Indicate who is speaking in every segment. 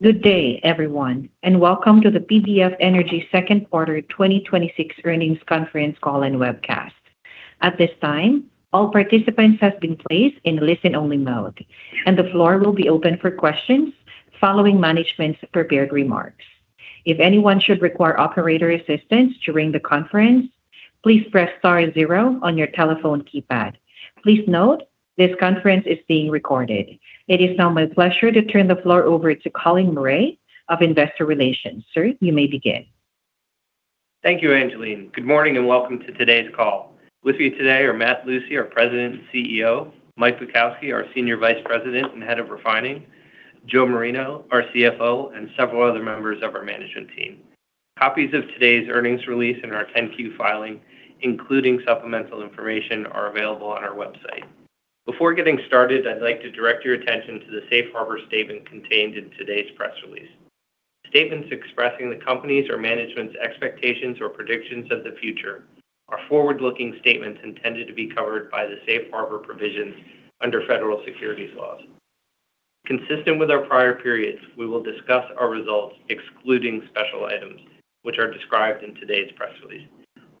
Speaker 1: Good day everyone, and welcome to the PBF Energy Second Quarter 2026 Earnings Conference Call and Webcast. At this time, all participants have been placed in listen-only mode and the floor will be open for questions following management's prepared remarks. If anyone should require operator assistance during the conference, please press star zero on your telephone keypad. Please note this conference is being recorded. It is now my pleasure to turn the floor over to Colin Murray of Investor Relations. Sir, you may begin.
Speaker 2: Thank you, Angeline. Good morning and welcome to today's call. With me today are Matt Lucey, our President and CEO, Mike Bukowski, our Senior Vice President and Head of Refining, Joe Marino, our CFO, and several other members of our management team. Copies of today's earnings release and our 10-Q filing, including supplemental information, are available on our website. Before getting started, I'd like to direct your attention to the safe harbor statement contained in today's press release. Statements expressing the company's or management's expectations or predictions of the future are forward-looking statements intended to be covered by the safe harbor provisions under federal securities laws. Consistent with our prior periods, we will discuss our results excluding special items which are described in today's press release.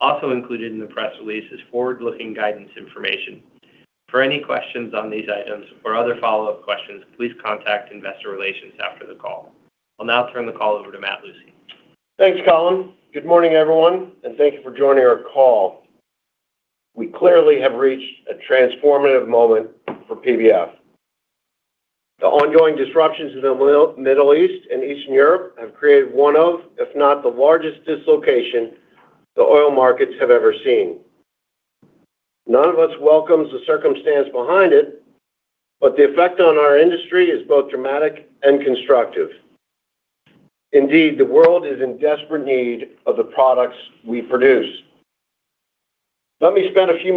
Speaker 2: Also included in the press release is forward-looking guidance information. For any questions on these items or other follow-up questions, please contact Investor Relations after the call. I'll now turn the call over to Matt Lucey.
Speaker 3: Thanks, Colin. Good morning everyone, and thank you for joining our call. We clearly have reached a transformative moment for PBF. The ongoing disruptions in the Middle East and Eastern Europe have created one of, if not the largest dislocation the oil markets have ever seen. None of us welcomes the circumstance behind it, but the effect on our industry is both dramatic and constructive. Indeed, the world is in desperate need of the products we produce. Let me spend a few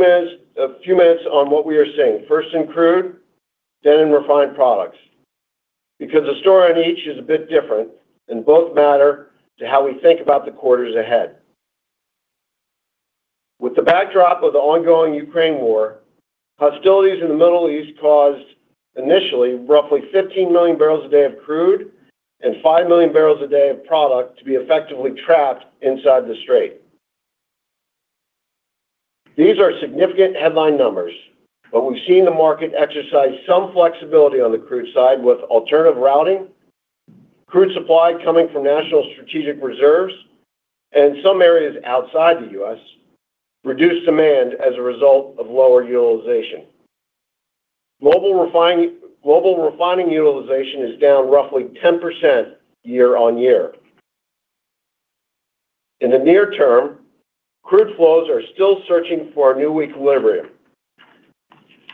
Speaker 3: minutes on what we are seeing, first in crude, then in refined products, because the story on each is a bit different and both matter to how we think about the quarters ahead. With the backdrop of the ongoing Ukraine war, hostilities in the Middle East caused initially roughly 15 MMbpd of crude and 5 MMbpd of product to be effectively trapped inside the strait. These are significant headline numbers, but we've seen the market exercise some flexibility on the crude side with alternative routing, crude supply coming from national strategic reserves, and some areas outside the U.S. reduce demand as a result of lower utilization. Global refining utilization is down roughly 10% year-on-year. In the near term, crude flows are still searching for a new equilibrium,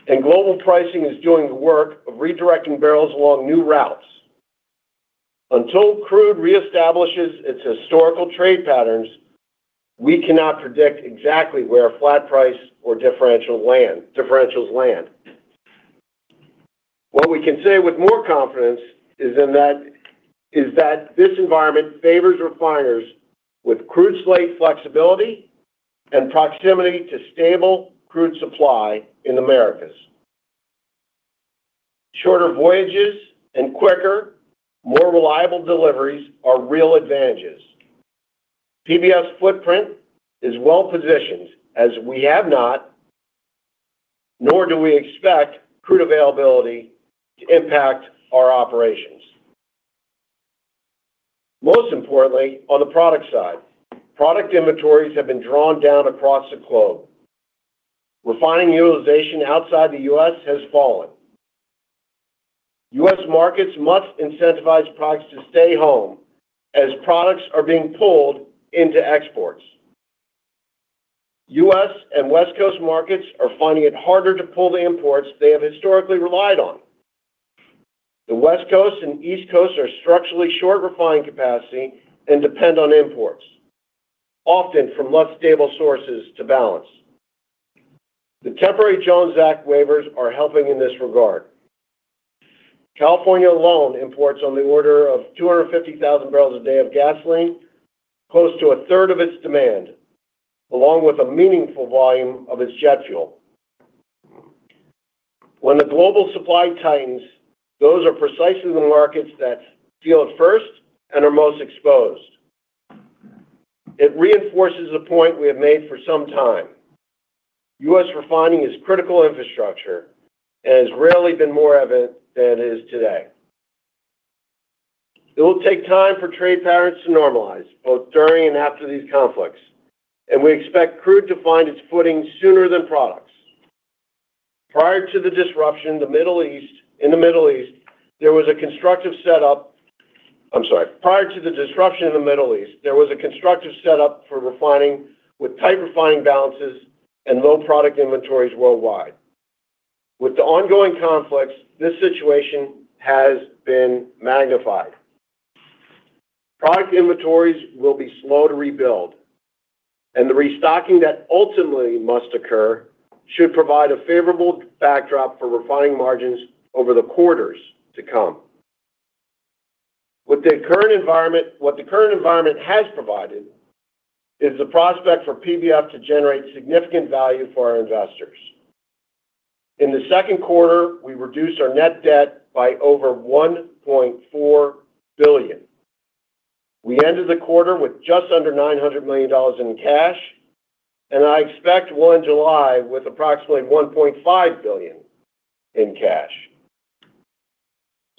Speaker 3: and global pricing is doing the work of redirecting barrels along new routes. Until crude reestablishes its historical trade patterns, we cannot predict exactly where a flat price or differentials land. What we can say with more confidence is that this environment favors refiners with crude slate flexibility and proximity to stable crude supply in the Americas. Shorter voyages and quicker, more reliable deliveries are real advantages. PBF's footprint is well-positioned as we have not, nor do we expect crude availability to impact our operations. Most importantly, on the product side, product inventories have been drawn down across the globe. Refining utilization outside the U.S. has fallen. U.S. markets must incentivize products to stay home as products are being pulled into exports. U.S. and West Coast markets are finding it harder to pull the imports they have historically relied on. The West Coast and East Coast are structurally short refining capacity and depend on imports, often from less stable sources to balance. The temporary Jones Act waivers are helping in this regard. California alone imports on the order of 250,000 bpd of gasoline, close to 1/3 of its demand, along with a meaningful volume of its jet fuel. When the global supply tightens, those are precisely the markets that feel it first and are most exposed. It reinforces a point we have made for some time. U.S. refining is critical infrastructure and has rarely been more evident than it is today. It will take time for trade patterns to normalize, both during and after these conflicts, and we expect crude to find its footing sooner than products. Prior to the disruption in the Middle East, there was a constructive setup for refining with tight refining balances and low product inventories worldwide. With the ongoing conflicts, this situation has been magnified. Product inventories will be slow to rebuild, and the restocking that ultimately must occur should provide a favorable backdrop for refining margins over the quarters to come. What the current environment has provided is the prospect for PBF to generate significant value for our investors. In the second quarter, we reduced our net debt by over $1.4 billion. We ended the quarter with just under $900 million in cash, and I expect we'll end July with approximately $1.5 billion in cash.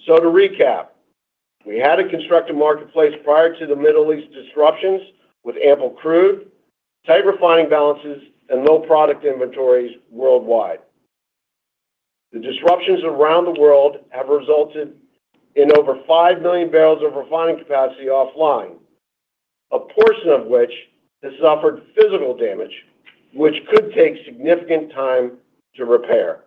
Speaker 3: To recap, we had a constructive marketplace prior to the Middle East disruptions with ample crude, tight refining balances, and low product inventories worldwide. The disruptions around the world have resulted in over 5 MMbpd of refining capacity offline, a portion of which has suffered physical damage, which could take significant time to repair.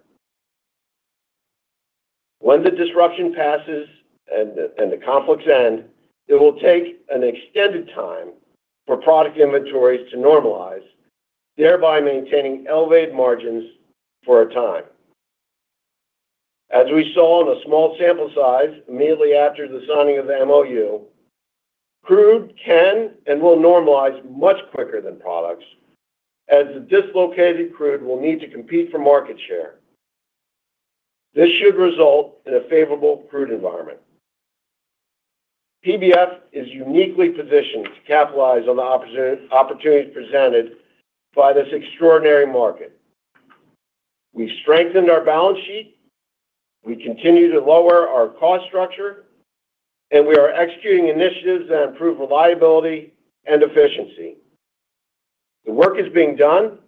Speaker 3: When the disruption passes and the conflicts end, it will take an extended time for product inventories to normalize, thereby maintaining elevated margins for a time. As we saw in a small sample size immediately after the signing of the MoU, crude can and will normalize much quicker than products, as the dislocated crude will need to compete for market share. This should result in a favorable crude environment. PBF is uniquely positioned to capitalize on the opportunities presented by this extraordinary market. We've strengthened our balance sheet, we continue to lower our cost structure, and we are executing initiatives that improve reliability and efficiency. The work is being done,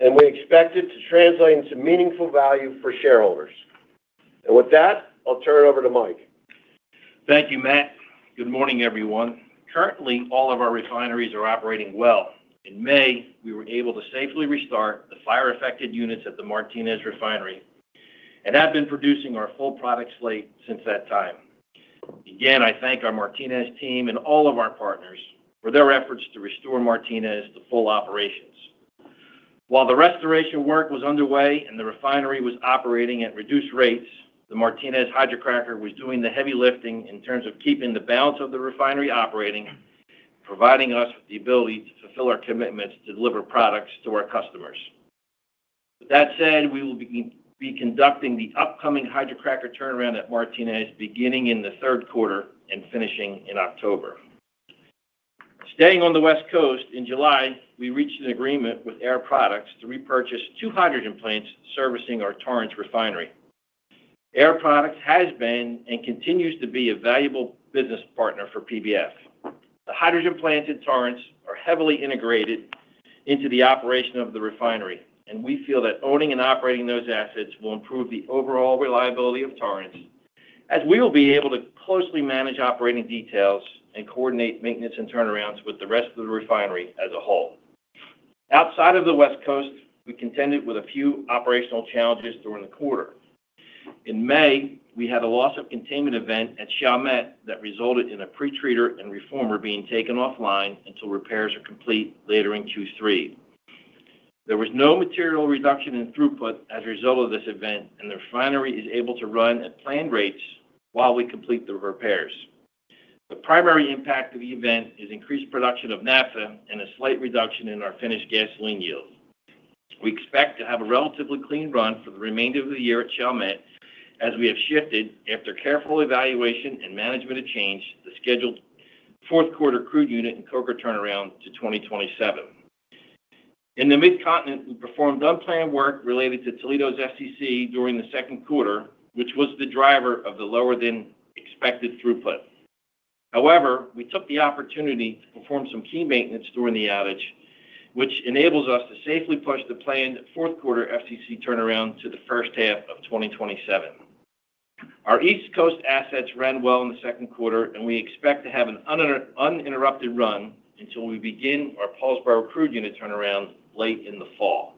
Speaker 3: and we expect it to translate into meaningful value for shareholders. With that, I'll turn it over to Mike.
Speaker 4: Thank you, Matt. Good morning, everyone. Currently, all of our refineries are operating well. In May, we were able to safely restart the fire-affected units at the Martinez refinery and have been producing our full product slate since that time. Again, I thank our Martinez team and all of our partners for their efforts to restore Martinez to full operations. While the restoration work was underway and the refinery was operating at reduced rates, the Martinez hydrocracker was doing the heavy lifting in terms of keeping the balance of the refinery operating, providing us with the ability to fulfill our commitments to deliver products to our customers. With that said, we will be conducting the upcoming hydrocracker turnaround at Martinez beginning in the third quarter and finishing in October. Staying on the West Coast, in July, we reached an agreement with Air Products to repurchase two hydrogen plants servicing our Torrance refinery. Air Products has been and continues to be a valuable business partner for PBF. The hydrogen plants in Torrance are heavily integrated into the operation of the refinery, and we feel that owning and operating those assets will improve the overall reliability of Torrance, as we will be able to closely manage operating details and coordinate maintenance and turnarounds with the rest of the refinery as a whole. Outside of the West Coast, we contended with a few operational challenges during the quarter. In May, we had a loss of containment event at Chalmette that resulted in a pretreater and reformer being taken offline until repairs are complete later in Q3. There was no material reduction in throughput as a result of this event, and the refinery is able to run at planned rates while we complete the repairs. The primary impact of the event is increased production of naphtha and a slight reduction in our finished gasoline yield. We expect to have a relatively clean run for the remainder of the year at Chalmette, as we have shifted, after careful evaluation and management of change, the scheduled fourth quarter crude unit and coker turnaround to 2027. In the Mid-Continent, we performed unplanned work related to Toledo's FCC during the second quarter, which was the driver of the lower-than-expected throughput. However, we took the opportunity to perform some key maintenance during the outage, which enables us to safely push the planned fourth quarter FCC turnaround to the first half of 2027. Our East Coast assets ran well in the second quarter. We expect to have an uninterrupted run until we begin our Paulsboro crude unit turnaround late in the fall.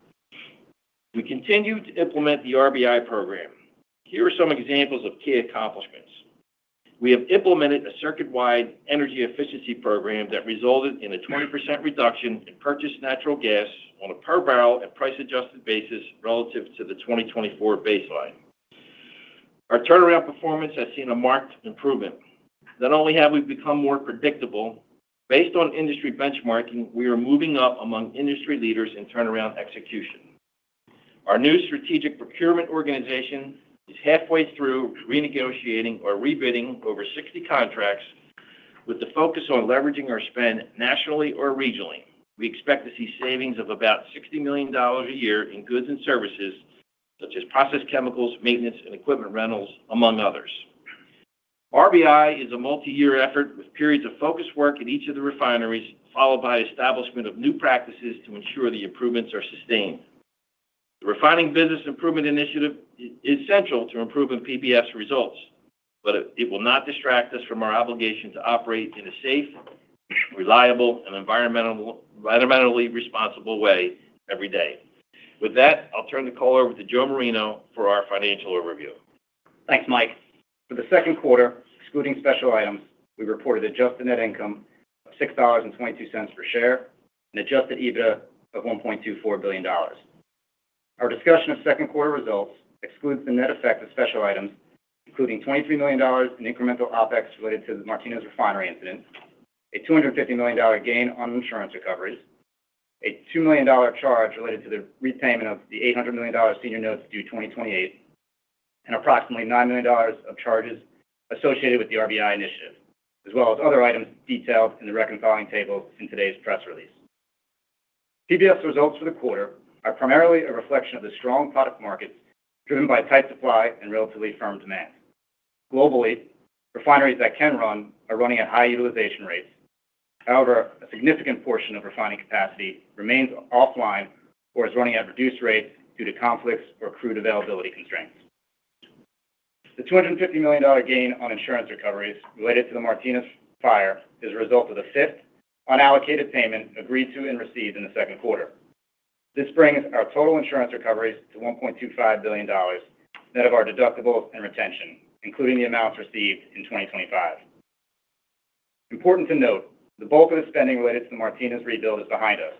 Speaker 4: We continue to implement the RBI program. Here are some examples of key accomplishments. We have implemented a circuit-wide energy efficiency program that resulted in a 20% reduction in purchased natural gas on a per-barrel and price-adjusted basis relative to the 2024 baseline. Our turnaround performance has seen a marked improvement. Not only have we become more predictable, based on industry benchmarking, we are moving up among industry leaders in turnaround execution. Our new strategic procurement organization is halfway through renegotiating or rebidding over 60 contracts with the focus on leveraging our spend nationally or regionally. We expect to see savings of about $60 million a year in goods and services such as process chemicals, maintenance, and equipment rentals, among others. RBI is a multi-year effort with periods of focused work at each of the refineries, followed by establishment of new practices to ensure the improvements are sustained. The Refining Business Improvement initiative is central to improving PBF's results, but it will not distract us from our obligation to operate in a safe, reliable, and environmentally responsible way every day. With that, I'll turn the call over to Joe Marino for our financial overview.
Speaker 5: Thanks, Mike. For the second quarter, excluding special items, we reported adjusted net income of $6.22 per share and adjusted EBITDA of $1.24 billion. Our discussion of second quarter results excludes the net effect of special items Including $23 million in incremental OpEx related to the Martinez refinery incident, a $250 million gain on insurance recoveries, a $2 million charge related to the repayment of the $800 million senior notes due 2028, and approximately $9 million of charges associated with the RBI initiative, as well as other items detailed in the reconciling table in today's press release. PBF's results for the quarter are primarily a reflection of the strong product markets driven by tight supply and relatively firm demand. Globally, refineries that can run are running at high utilization rates. A significant portion of refining capacity remains offline or is running at reduced rates due to conflicts or crude availability constraints. The $250 million gain on insurance recoveries related to the Martinez fire is a result of the fifth unallocated payment agreed to and received in the second quarter. This brings our total insurance recoveries to $1.25 billion net of our deductibles and retention, including the amounts received in 2025. Important to note, the bulk of the spending related to the Martinez rebuild is behind us,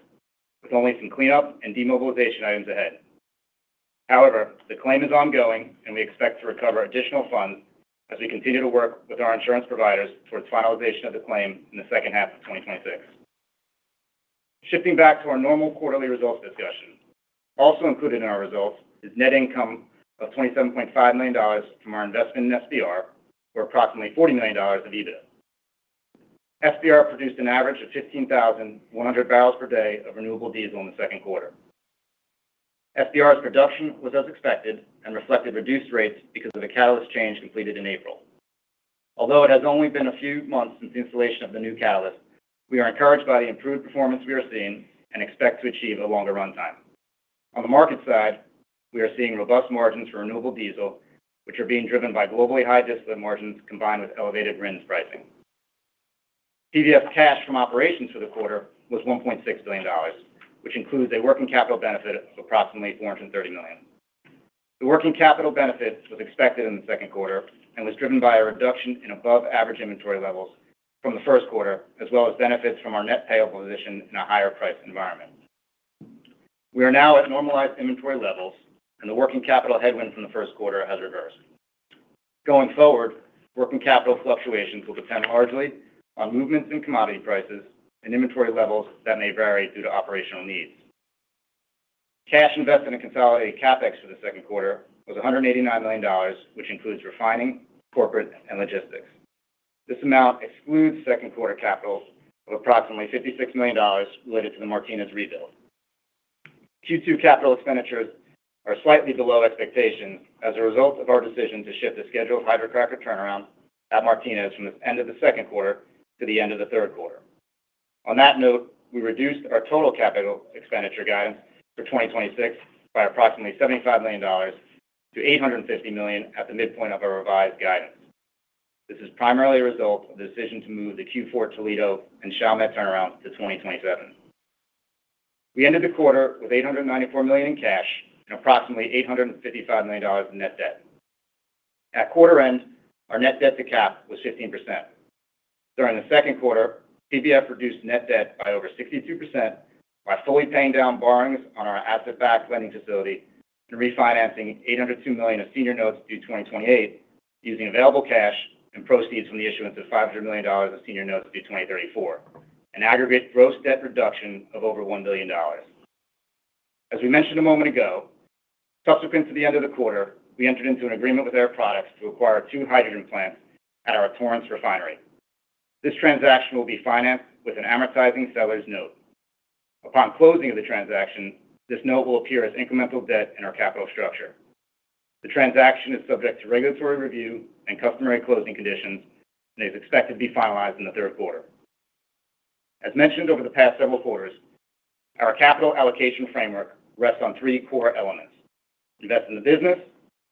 Speaker 5: with only some cleanup and demobilization items ahead. The claim is ongoing, and we expect to recover additional funds as we continue to work with our insurance providers towards finalization of the claim in the second half of 2026. Shifting back to our normal quarterly results discussion. Also included in our results is net income of $27.5 million from our investment in SBR or approximately $40 million of EBITDA. SBR produced an average of 15,100 bpd of renewable diesel in the second quarter. SBR's production was as expected and reflected reduced rates because of a catalyst change completed in April. Although it has only been a few months since installation of the new catalyst, we are encouraged by the improved performance we are seeing and expect to achieve a longer runtime. On the market side, we are seeing robust margins for renewable diesel, which are being driven by globally high diesel and margins combined with elevated RINs pricing. PBF's cash from operations for the quarter was $1.6 billion, which includes a working capital benefit of approximately $430 million. The working capital benefit was expected in the second quarter and was driven by a reduction in above-average inventory levels from the first quarter, as well as benefits from our net payable position in a higher price environment. We are now at normalized inventory levels, and the working capital headwind from the first quarter has reversed. Going forward, working capital fluctuations will depend largely on movements in commodity prices and inventory levels that may vary due to operational needs. Cash invested in consolidated CapEx for the second quarter was $189 million, which includes refining, corporate, and logistics. This amount excludes second-quarter capital of approximately $56 million related to the Martinez rebuild. Q2 capital expenditures are slightly below expectations as a result of our decision to shift the scheduled hydrocracker turnaround at Martinez from the end of the second quarter to the end of the third quarter. On that note, we reduced our total capital expenditure guidance for 2026 by approximately $75 million to $850 million at the midpoint of our revised guidance. This is primarily a result of the decision to move the Q4 Toledo and Chalmette turnaround to 2027. We ended the quarter with $894 million in cash and approximately $855 million in net debt. At quarter end, our net debt to cap was 15%. During the second quarter, PBF reduced net debt by over 62% by fully paying down borrowings on our asset-backed lending facility and refinancing $802 million of senior notes due 2028 using available cash and proceeds from the issuance of $500 million of senior notes due 2034, an aggregate gross debt reduction of over $1 billion. As we mentioned a moment ago, subsequent to the end of the quarter, we entered into an agreement with Air Products to acquire two hydrogen plants at our Torrance refinery. This transaction will be financed with an amortizing seller's note. Upon closing of the transaction, this note will appear as incremental debt in our capital structure. The transaction is subject to regulatory review and customary closing conditions and is expected to be finalized in the third quarter. As mentioned over the past several quarters, our capital allocation framework rests on three core elements: invest in the business,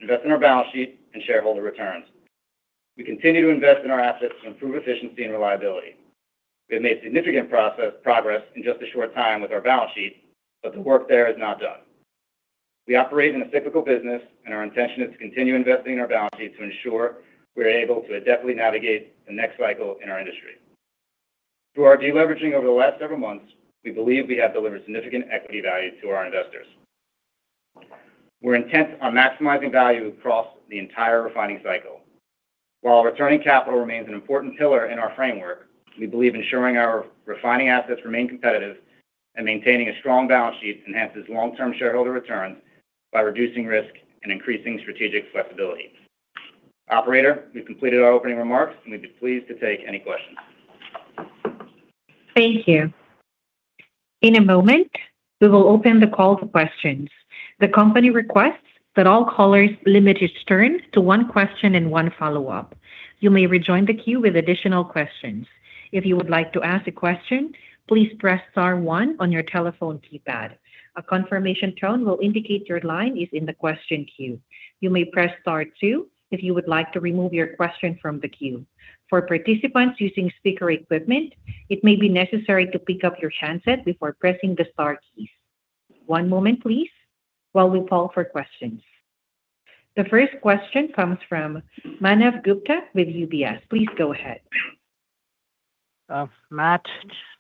Speaker 5: invest in our balance sheet, and shareholder returns. We continue to invest in our assets to improve efficiency and reliability. We have made significant progress in just a short time with our balance sheet, but the work there is not done. We operate in a cyclical business. Our intention is to continue investing in our balance sheet to ensure we are able to adeptly navigate the next cycle in our industry. Through our deleveraging over the last several months, we believe we have delivered significant equity value to our investors. We're intent on maximizing value across the entire refining cycle. While returning capital remains an important pillar in our framework, we believe ensuring our refining assets remain competitive and maintaining a strong balance sheet enhances long-term shareholder returns by reducing risk and increasing strategic flexibility. Operator, we've completed our opening remarks. We'd be pleased to take any questions.
Speaker 1: Thank you. In a moment, we will open the call for questions. The company requests that all callers limit each turn to one question and one follow-up. You may rejoin the queue with additional questions. If you would like to ask a question, please press star one on your telephone keypad. A confirmation tone will indicate your line is in the question queue. You may press star two if you would like to remove your question from the queue. For participants using speaker equipment, it may be necessary to pick up your handset before pressing the star keys. One moment please while we poll for questions. The first question comes from Manav Gupta with UBS. Please go ahead.
Speaker 6: Matt,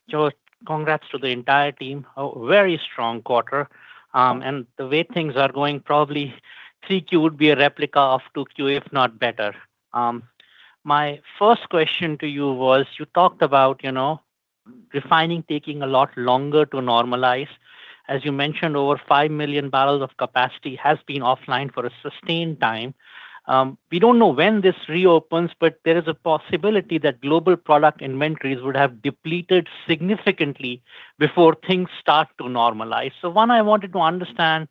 Speaker 6: Joe, congrats to the entire team. A very strong quarter. The way things are going, probably 3Q would be a replica of 2Q, if not better. My first question to you was, you talked about refining taking a lot longer to normalize. As you mentioned, over 5 MMbpd of capacity has been offline for a sustained time. We don't know when this reopens. There is a possibility that global product inventories would have depleted significantly before things start to normalize. One, I wanted to understand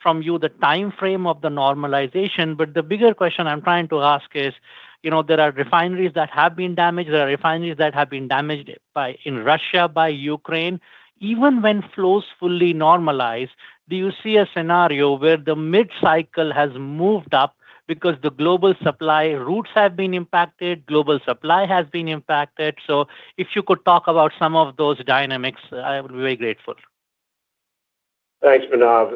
Speaker 6: from you the timeframe of the normalization, but the bigger question I'm trying to ask is, there are refineries that have been damaged. There are refineries that have been damaged in Russia, by Ukraine. Even when flows fully normalize, do you see a scenario where the mid-cycle has moved up because the global supply routes have been impacted, global supply has been impacted? If you could talk about some of those dynamics, I would be very grateful.
Speaker 3: Thanks, Manav,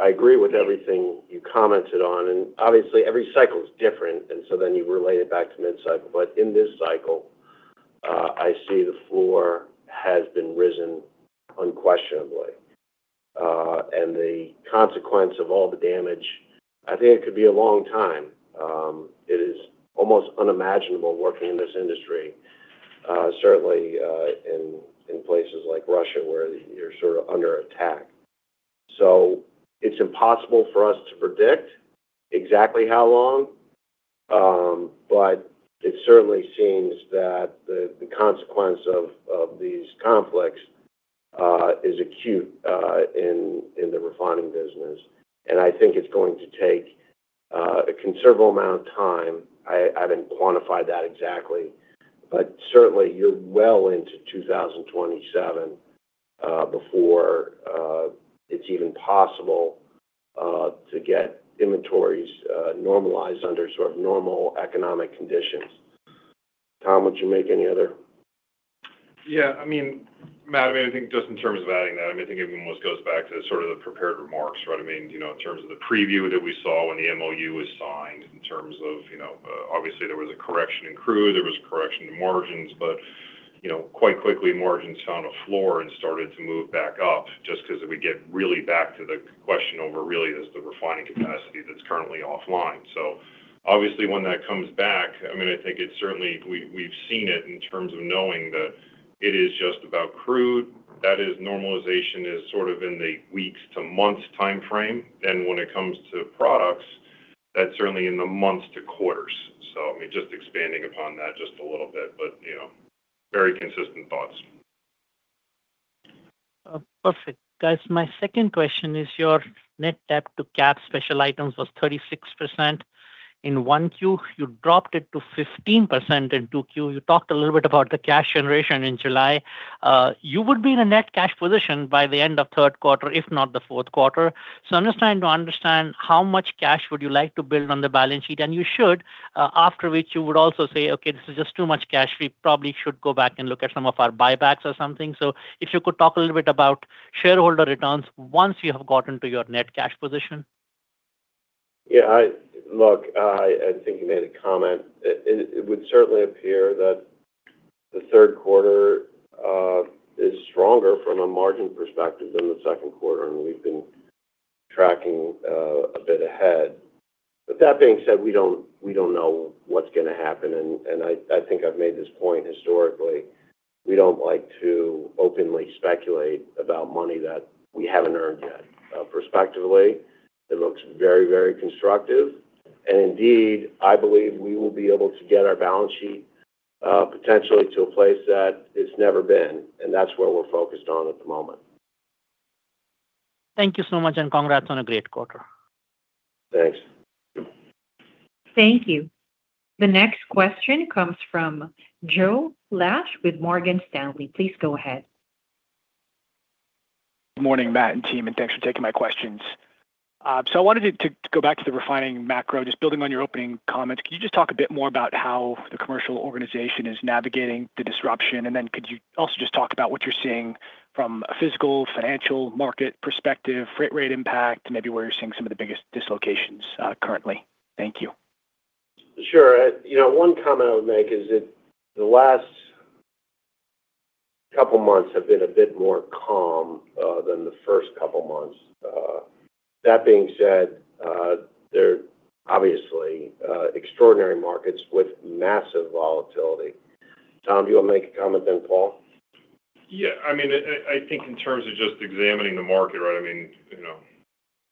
Speaker 3: I agree with everything you commented on, obviously every cycle is different, you relate it back to mid-cycle. In this cycle, I see the floor has been risen unquestionably. The consequence of all the damage, I think it could be a long time. It is almost unimaginable working in this industry, certainly in places like Russia where you're sort of under attack. It's impossible for us to predict exactly how long, but it certainly seems that the consequence of these conflicts is acute in the refining business, and I think it's going to take a considerable amount of time. I haven't quantified that exactly, but certainly you're well into 2027, before it's even possible to get inventories normalized under sort of normal economic conditions. Tom, would you make any other?
Speaker 7: Yeah, Matt, I think just in terms of adding that, I think it almost goes back to sort of the prepared remarks, right? In terms of the preview that we saw when the MoU was signed, in terms of obviously there was a correction in crude, there was a correction in margins. Quite quickly, margins found a floor and started to move back up just because if we get really back to the question over really is the refining capacity that's currently offline. Obviously when that comes back, I think it's certainly we've seen it in terms of knowing that it is just about crude. That is, normalization is sort of in the weeks to months timeframe. When it comes to products, that's certainly in the months to quarters. Just expanding upon that just a little bit, but very consistent thoughts.
Speaker 6: Perfect. Guys, my second question is your net debt to capitalization special items was 36% in 1Q. You dropped it to 15% in 2Q. You talked a little bit about the cash generation in July. You would be in a net cash position by the end of third quarter, if not the fourth quarter. I'm just trying to understand how much cash would you like to build on the balance sheet, and you should, after which you would also say, "Okay, this is just too much cash. We probably should go back and look at some of our buybacks or something." If you could talk a little bit about shareholder returns once you have gotten to your net cash position.
Speaker 3: Yeah. Look, I think you made a comment. It would certainly appear that the third quarter is stronger from a margin perspective than the second quarter, we've been tracking a bit ahead. That being said, we don't know what's going to happen, I think I've made this point historically. We don't like to openly speculate about money that we haven't earned yet. Prospectively, it looks very, very constructive, indeed, I believe we will be able to get our balance sheet potentially to a place that it's never been, that's where we're focused on at the moment.
Speaker 6: Thank you so much. Congrats on a great quarter.
Speaker 3: Thanks.
Speaker 1: Thank you. The next question comes from Joe Laetsch with Morgan Stanley. Please go ahead.
Speaker 8: Morning, Matt and team. Thanks for taking my questions. I wanted to go back to the refining macro, just building on your opening comments. Could you just talk a bit more about how the commercial organization is navigating the disruption? Could you also just talk about what you're seeing from a physical, financial, market perspective, freight rate impact, and maybe where you're seeing some of the biggest dislocations currently. Thank you.
Speaker 3: Sure. One comment I would make is that the last couple of months have been a bit more calm than the first couple of months. That being said, they're obviously extraordinary markets with massive volatility. Tom, do you want to make a comment, then Paul?
Speaker 7: Yeah. I think in terms of just examining the market, right,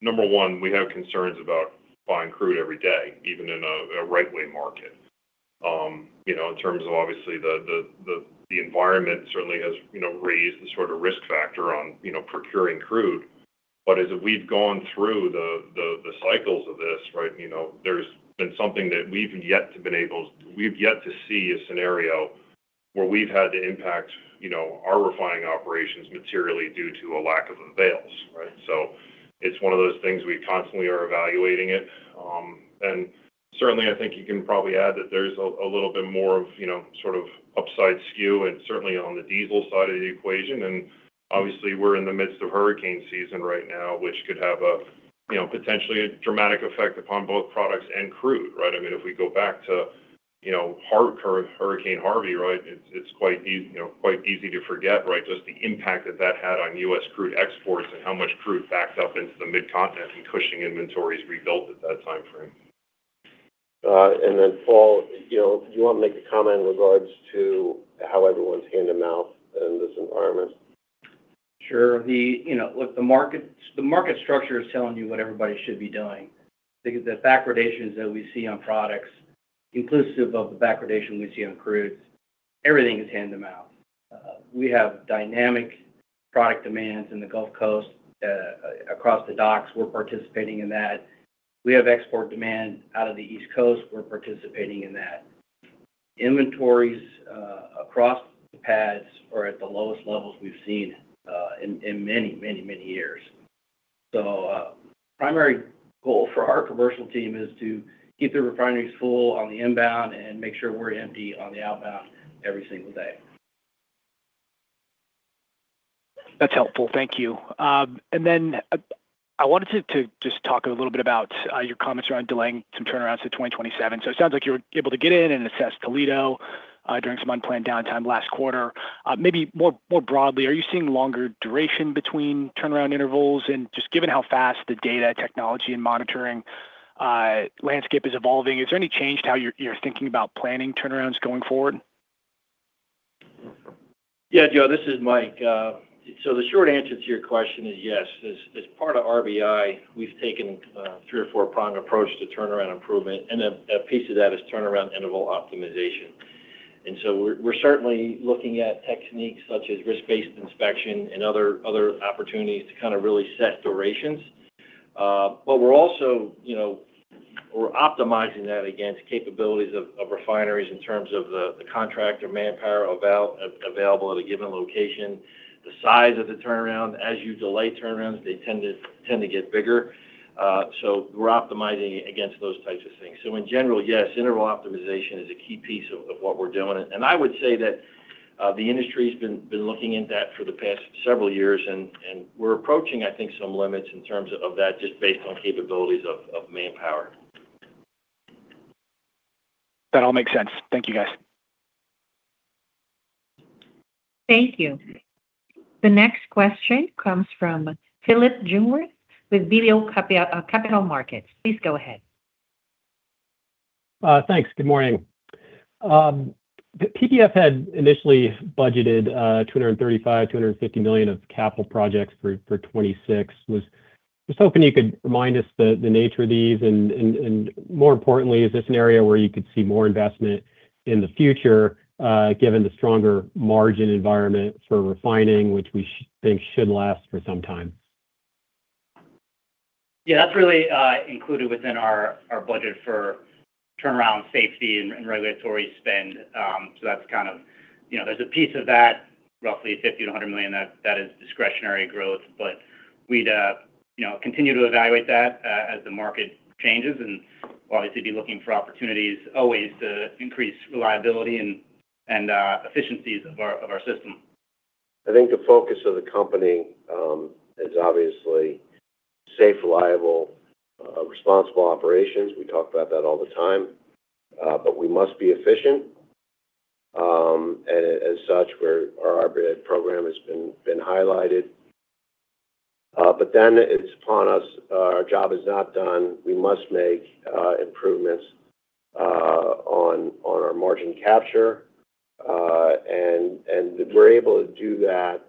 Speaker 7: number one, we have concerns about buying crude every day, even in a tight market. In terms of obviously the environment certainly has raised the sort of risk factor on procuring crude. As we've gone through the cycles of this, right, there's been something that we've yet to see a scenario where we've had to impact our refining operations materially due to a lack of avails, right? It's one of those things, we constantly are evaluating it. Certainly, I think you can probably add that there's a little bit more of sort of upside skew, and certainly on the diesel side of the equation. Obviously, we're in the midst of hurricane season right now, which could have a potentially dramatic effect upon both products and crude, right? If we go back to Hurricane Harvey, right? It's quite easy to forget just the impact that had on U.S. crude exports and how much crude backed up into the mid-continent and Cushing inventories rebuilt at that timeframe.
Speaker 3: Paul, do you want to make a comment in regards to how everyone's hand-to-mouth in this environment?
Speaker 9: Sure. Look, the market structure is telling you what everybody should be doing because the backwardations that we see on products, inclusive of the backwardation we see on crudes, everything is hand-to-mouth. We have dynamic product demands in the Gulf Coast across the docks. We're participating in that. We have export demand out of the East Coast. We're participating in that. Inventories across the PADDs are at the lowest levels we've seen in many years. Primary goal for our commercial team is to keep the refineries full on the inbound and make sure we're empty on the outbound every single day.
Speaker 8: That's helpful. Thank you. I wanted to just talk a little bit about your comments around delaying some turnarounds to 2027. It sounds like you were able to get in and assess Toledo during some unplanned downtime last quarter. Maybe more broadly, are you seeing longer duration between turnaround intervals and just given how fast the data technology and monitoring landscape is evolving, has there any change to how you're thinking about planning turnarounds going forward?
Speaker 4: Yeah, Joe, this is Mike. The short answer to your question is yes. As part of RBI, we've taken a three or four-prong approach to turnaround improvement, a piece of that is turnaround interval optimization. We're certainly looking at techniques such as risk-based inspection and other opportunities to really set durations. We're optimizing that against capabilities of refineries in terms of the contractor manpower available at a given location, the size of the turnaround. As you delay turnarounds, they tend to get bigger. We're optimizing against those types of things. In general, yes, interval optimization is a key piece of what we're doing, I would say that the industry's been looking at that for the past several years, we're approaching some limits in terms of that just based on capabilities of manpower.
Speaker 8: That all makes sense. Thank you, guys.
Speaker 1: Thank you. The next question comes from Phillip Jungwirth with BMO Capital Markets. Please go ahead.
Speaker 10: Thanks. Good morning. PBF had initially budgeted $235 million, $250 million of capital projects for 2026. I was just hoping you could remind us the nature of these, and more importantly, is this an area where you could see more investment in the future given the stronger margin environment for refining, which we think should last for some time?
Speaker 5: Yeah, that's really included within our budget for turnaround safety and regulatory spend. There's a piece of that roughly $50 million-$100 million that is discretionary growth, but we'd continue to evaluate that as the market changes and obviously be looking for opportunities always to increase reliability and efficiencies of our system.
Speaker 3: I think the focus of the company is obviously safe, reliable, responsible operations. We talk about that all the time. We must be efficient, and as such, where our RBI program has been highlighted. It's upon us. Our job is not done. We must make improvements on our margin capture. If we're able to do that,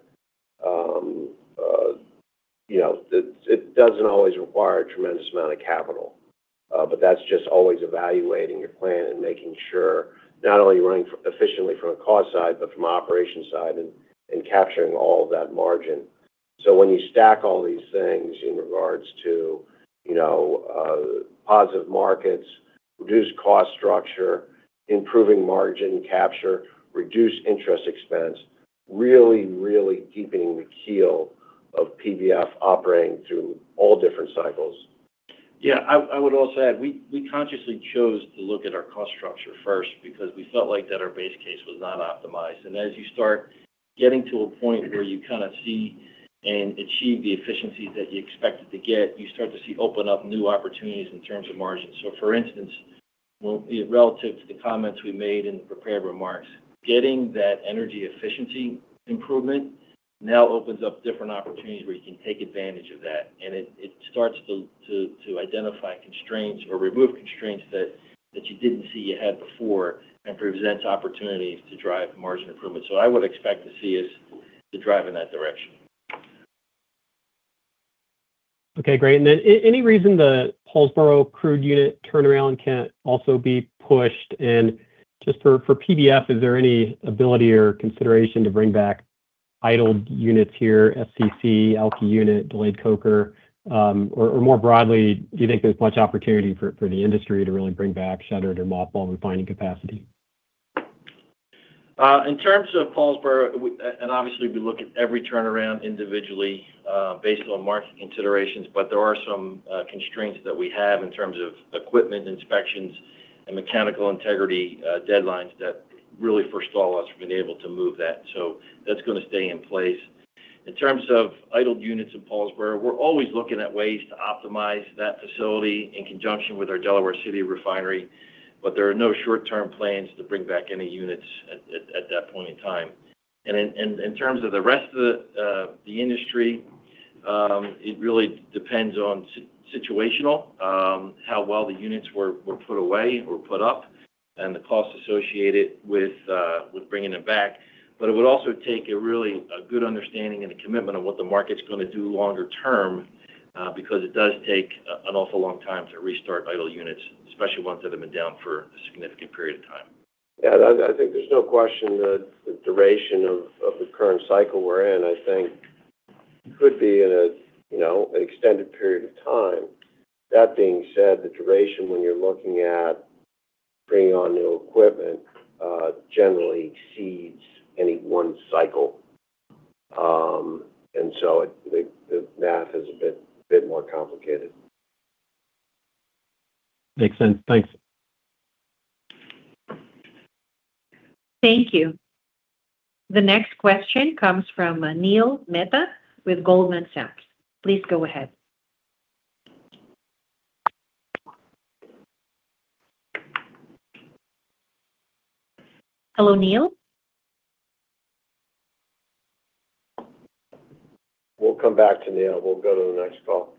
Speaker 3: it doesn't always require a tremendous amount of capital. That's just always evaluating your plan and making sure not only are you running efficiently from a cost side, but from an operations side and capturing all of that margin. When you stack all these things in regards to positive markets, reduced cost structure, improving margin capture, reduced interest expense, really deepening the keel of PBF operating through all different cycles.
Speaker 9: Yeah, I would also add, we consciously chose to look at our cost structure first because we felt like that our base case was not optimized. As you start getting to a point where you kind of see and achieve the efficiencies that you expected to get, you start to see open up new opportunities in terms of margins. For instance, relative to the comments we made in the prepared remarks, getting that energy efficiency improvement now opens up different opportunities where you can take advantage of that, and it starts to identify constraints or remove constraints that you didn't see you had before and presents opportunities to drive margin improvement. I would expect to see us to drive in that direction.
Speaker 10: Okay, great. Then any reason the Paulsboro crude unit turnaround can't also be pushed? Just for PBF, is there any ability or consideration to bring back idled units here, FCC, Alky unit, delayed coker? More broadly, do you think there's much opportunity for the industry to really bring back shuttered or mothballed refining capacity?
Speaker 4: In terms of Paulsboro, obviously we look at every turnaround individually based on market considerations, there are some constraints that we have in terms of equipment inspections and mechanical integrity deadlines that really forestall us from being able to move that. That's going to stay in place In terms of idled units in Paulsboro, we're always looking at ways to optimize that facility in conjunction with our Delaware City refinery. There are no short-term plans to bring back any units at that point in time. In terms of the rest of the industry, it really depends on situational, how well the units were put away or put up, and the cost associated with bringing them back. It would also take a really good understanding and a commitment of what the market's going to do longer term, because it does take an awful long time to restart idle units, especially ones that have been down for a significant period of time.
Speaker 3: Yeah, I think there's no question that the duration of the current cycle we're in, I think could be at an extended period of time. That being said, the duration when you're looking at bringing on new equipment, generally exceeds any one cycle. So the math is a bit more complicated.
Speaker 10: Makes sense. Thanks.
Speaker 1: Thank you. The next question comes from Neil Mehta with Goldman Sachs. Please go ahead. Hello, Neil?
Speaker 3: We'll come back to Neil. We'll go to the next call.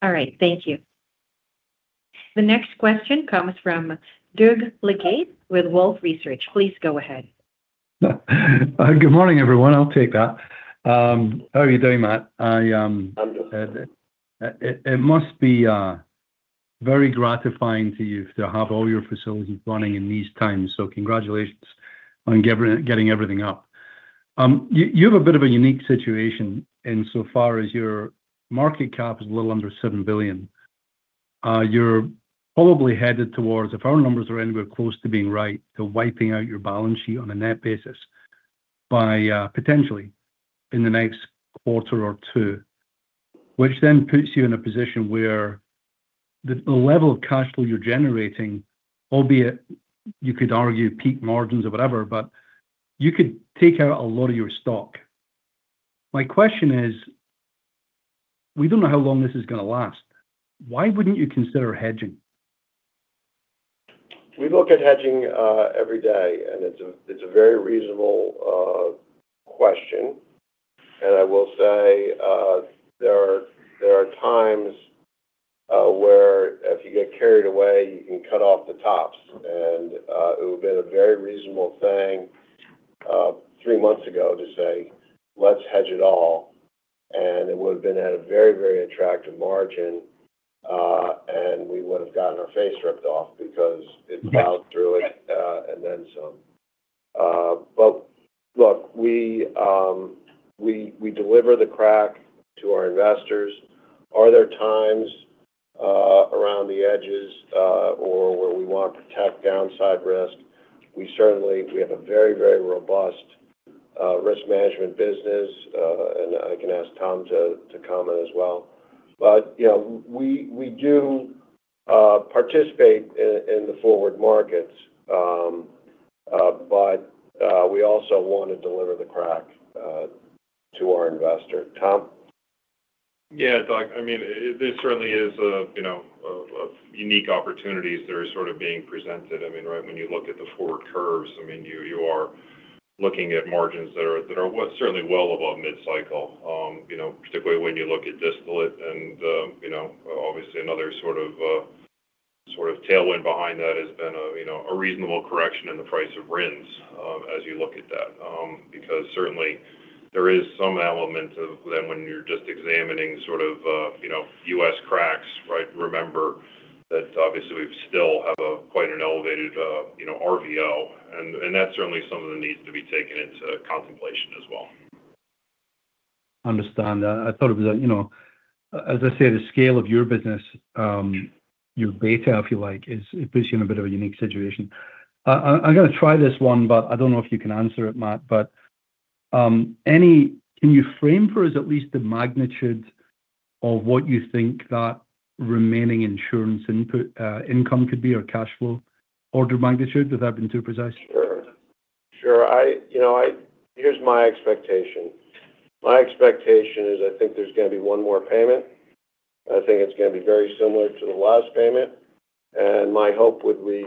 Speaker 1: All right. Thank you. The next question comes from Doug Leggate with Wolfe Research. Please go ahead.
Speaker 11: Good morning, everyone. I'll take that. How are you doing, Matt?
Speaker 3: I'm doing good.
Speaker 11: It must be very gratifying to you to have all your facilities running in these times. Congratulations on getting everything up. You have a bit of a unique situation insofar as your market cap is a little under $7 billion. You're probably headed towards, if our numbers are anywhere close to being right, to wiping out your balance sheet on a net basis by potentially in the next quarter or two, which puts you in a position where the level of cash flow you're generating, albeit you could argue peak margins or whatever, you could take out a lot of your stock. My question is, we don't know how long this is going to last. Why wouldn't you consider hedging?
Speaker 3: We look at hedging every day, it's a very reasonable question. I will say there are times where if you get carried away, you can cut off the tops. It would have been a very reasonable thing three months ago to say, "Let's hedge it all." It would have been at a very, very attractive margin, we would have gotten our face ripped off because it's plowed through it.
Speaker 11: Right.
Speaker 3: Look, we deliver the crack to our investors. Are there times around the edges or where we want to protect downside risk? We certainly have a very, very robust risk management business. I can ask Tom to comment as well. We do participate in the forward markets, but we also want to deliver the crack to our investor. Tom?
Speaker 7: Yeah, Doug, this certainly is a unique opportunity that is sort of being presented. When you look at the forward curves, you are looking at margins that are certainly well above mid-cycle. Particularly when you look at distillate and obviously another sort of tailwind behind that has been a reasonable correction in the price of RINs as you look at that. Certainly there is some element of then when you're just examining U.S. cracks, remember that obviously we still have quite an elevated RVO, and that's certainly something that needs to be taken into contemplation as well.
Speaker 11: Understand that. I thought it was, as I say, the scale of your business, your beta, if you like, it puts you in a bit of a unique situation. I'm going to try this one, but I don't know if you can answer it, Matt. Can you frame for us at least the magnitude of what you think that remaining insurance income could be or cash flow? Order of magnitude? Would that be too precise?
Speaker 3: Sure. Here's my expectation. My expectation is I think there's going to be one more payment. I think it's going to be very similar to the last payment. My hope would be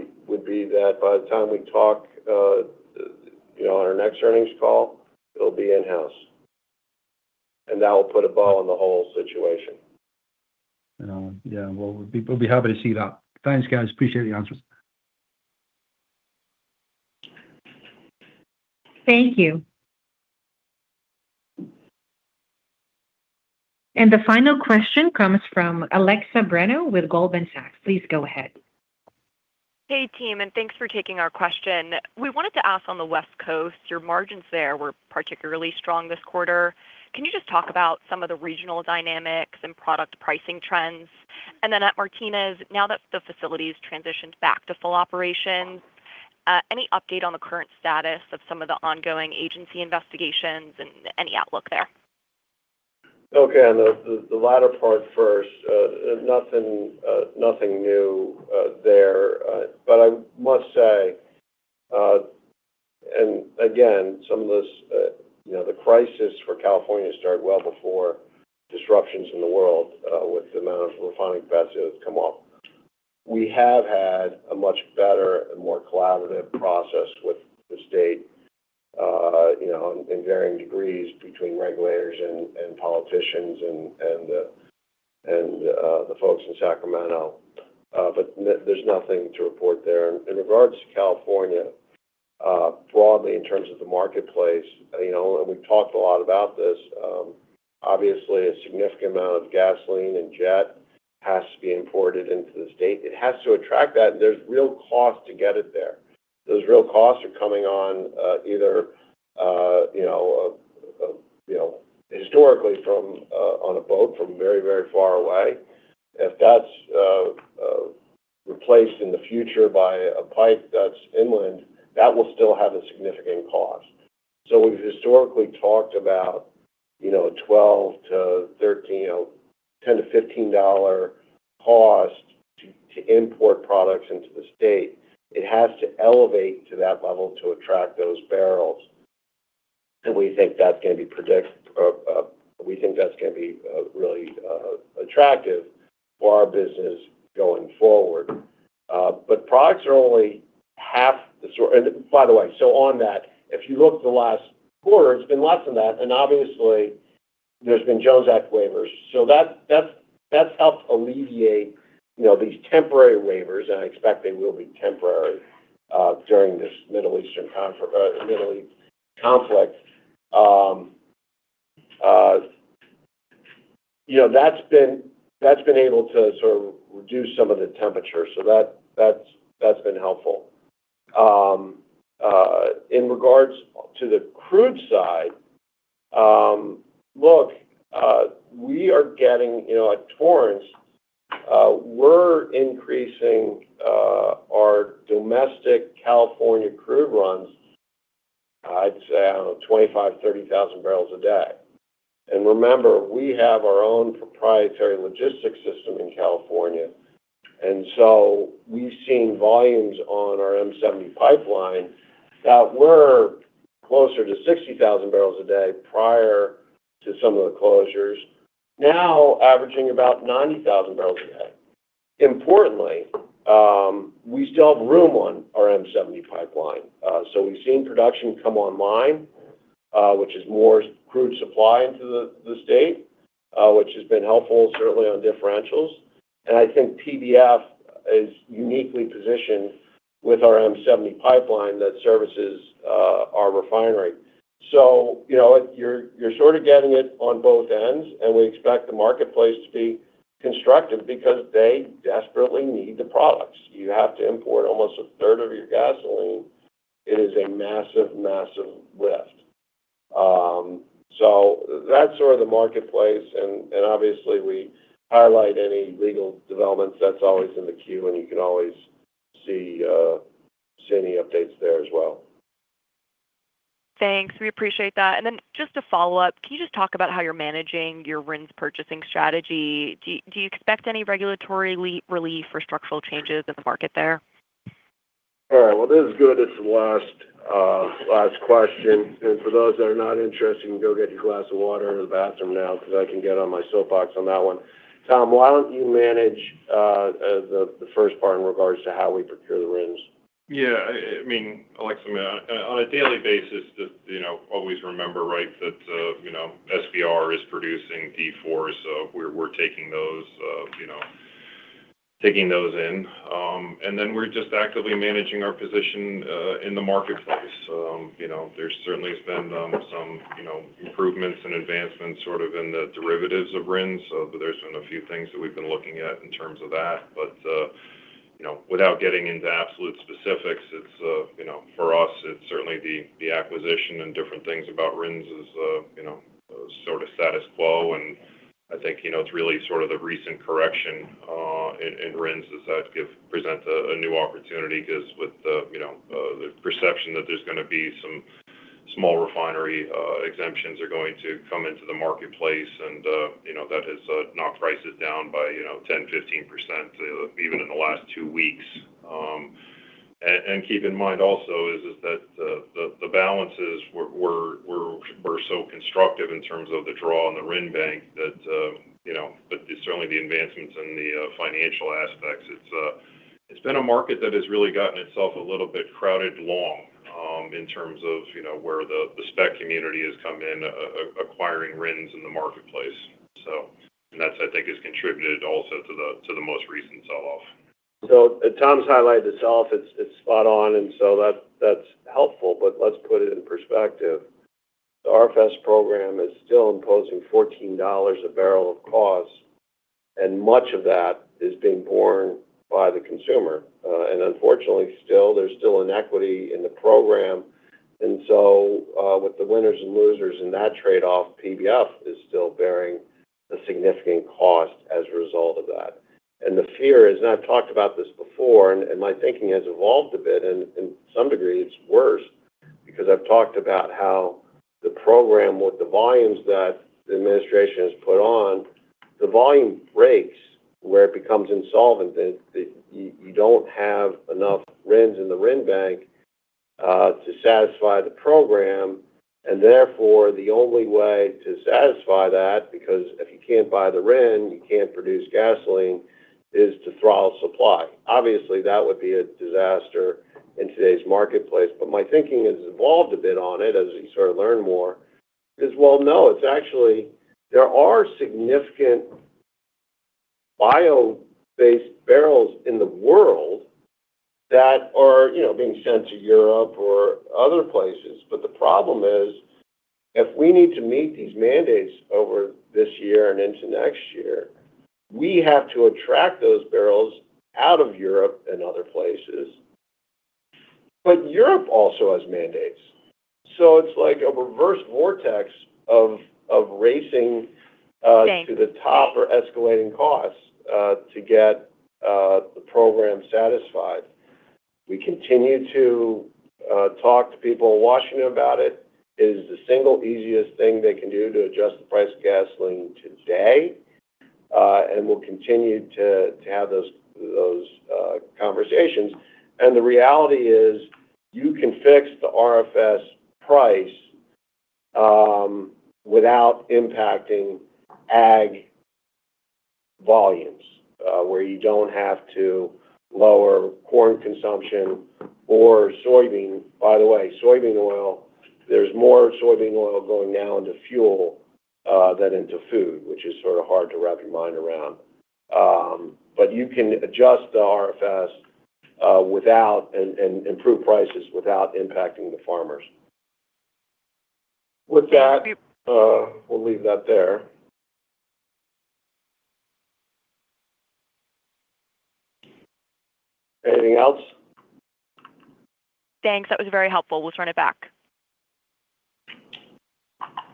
Speaker 3: that by the time we talk on our next earnings call, it'll be in-house. That will put a bow on the whole situation.
Speaker 11: Yeah. Well, we'll be happy to see that. Thanks, guys. Appreciate the answers.
Speaker 1: Thank you. The final question comes from Alexa Bruneau with Goldman Sachs. Please go ahead.
Speaker 12: Hey, team, and thanks for taking our question. We wanted to ask on the West Coast, your margins there were particularly strong this quarter. Can you just talk about some of the regional dynamics and product pricing trends? Then at Martinez, now that the facility's transitioned back to full operation, any update on the current status of some of the ongoing agency investigations and any outlook there?
Speaker 3: Okay. On the latter part first, nothing new there. I must say, and again, the crisis for California started well before disruptions in the world with the amount of refining capacity that's come off. We have had a much better and more collaborative process with the state in varying degrees between regulators and politicians, and the folks in Sacramento. There's nothing to report there. In regards to California, broadly in terms of the marketplace, and we've talked a lot about this. Obviously, a significant amount of gasoline and jet has to be imported into the state. It has to attract that, and there's real cost to get it there. Those real costs are coming on either historically on a boat from very far away. If that's replaced in the future by a pipe that's inland, that will still have a significant cost. We've historically talked about a $12-$13, $10-$15 cost to import products into the state. It has to elevate to that level to attract those barrels. We think that's going to be really attractive for our business going forward. Products are only half the story. If you look at the last quarter, it's been less than that, and obviously there's been Jones Act waivers. That's helped alleviate these temporary waivers, and I expect they will be temporary during this Middle East conflict. That's been able to sort of reduce some of the temperature. That's been helpful. In regards to the crude side, at Torrance, we're increasing our domestic California crude runs 25,000, 30,000 bpd. We have our own proprietary logistics system in California. We've seen volumes on our M-70 pipeline that were closer to 60,000 bpd prior to some of the closures. Now averaging about 90,000 bpd. Importantly, we still have room on our M-70 pipeline. We've seen production come online, which is more crude supply into the state, which has been helpful, certainly on differentials. I think PBF is uniquely positioned with our M-70 pipeline that services our refinery. You're sort of getting it on both ends. We expect the marketplace to be constructive because they desperately need the products. You have to import almost 1/3 of your gasoline. It is a massive lift. That's sort of the marketplace. We highlight any legal developments that's always in the queue. You can always see any updates there as well.
Speaker 12: Thanks. We appreciate that. Just a follow-up, can you just talk about how you're managing your RINs purchasing strategy? Do you expect any regulatory relief or structural changes in the market there?
Speaker 3: All right. Well, this is good it's the last question. For those that are not interested, you can go get your glass of water or the bathroom now because I can get on my soapbox on that one. Tom, why don't you manage the first part in regards to how we procure the RINs?
Speaker 7: Yeah. Alexa, on a daily basis, just always remember, that SBR is producing D4, so we're taking those in. Then we're just actively managing our position in the marketplace. There's certainly been some improvements and advancements sort of in the derivatives of RINs, so there's been a few things that we've been looking at in terms of that. Without getting into absolute specifics, for us, it's certainly the acquisition and different things about RINs is sort of status quo, and I think it's really sort of the recent correction in RINs that presents a new opportunity because with the perception that there's going to be some small refinery exemptions are going to come into the marketplace, and that has knocked prices down by 10%-15%, even in the last two weeks. Keep in mind also is that the balances were so constructive in terms of the draw in the RIN bank that certainly the advancements in the financial aspects. It's been a market that has really gotten itself a little bit crowded long in terms of where the spec community has come in acquiring RINs in the marketplace. That I think has contributed also to the most recent sell-off.
Speaker 3: As Tom's highlighted itself, it's spot on and so that's helpful, but let's put it in perspective. The RFS program is still imposing $14 a barrel of cost, and much of that is being borne by the consumer. Unfortunately, there's still inequity in the program, and so, with the winners and losers in that trade-off, PBF is still bearing a significant cost as a result of that. The fear is, and I've talked about this before, and my thinking has evolved a bit and in some degree it's worse. I've talked about how the program, with the volumes that the administration has put on, the volume breaks where it becomes insolvent, that you don't have enough RINs in the RIN bank to satisfy the program. Therefore, the only way to satisfy that, because if you can't buy the RIN, you can't produce gasoline, is to throttle supply. Obviously, that would be a disaster in today's marketplace. My thinking has evolved a bit on it as you sort of learn more, is well, no, it's actually there are significant bio-based barrels in the world that are being sent to Europe or other places. The problem is, if we need to meet these mandates over this year and into next year, we have to attract those barrels out of Europe and other places. Europe also has mandates. It's like a reverse vortex of racing.
Speaker 12: Thanks.
Speaker 3: To the top or escalating costs to get the program satisfied. We continue to talk to people in Washington about it. It is the single easiest thing they can do to adjust the price of gasoline today. We'll continue to have those conversations. The reality is, you can fix the RFS price without impacting ag volumes, where you don't have to lower corn consumption or soybean. By the way, soybean oil, there's more soybean oil going now into fuel, than into food, which is sort of hard to wrap your mind around. You can adjust the RFS and improve prices without impacting the farmers. With that.
Speaker 12: Thank you.
Speaker 3: we'll leave that there. Anything else?
Speaker 12: Thanks. That was very helpful. We'll turn it back.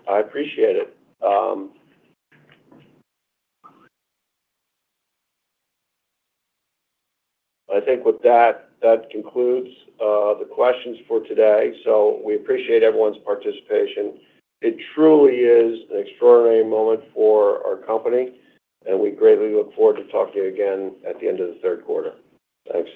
Speaker 3: I appreciate it. I think with that concludes the questions for today. We appreciate everyone's participation. It truly is an extraordinary moment for our company, and we greatly look forward to talking to you again at the end of the third quarter. Thanks.